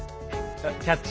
「キャッチ！